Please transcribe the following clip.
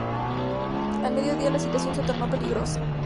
Al mediodía la situación se tornó peligrosa.